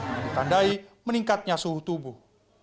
yang ditandai meningkatnya suhu tubuh